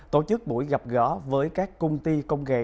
tổ chức buổi gặp gỡ với các công ty công nghệ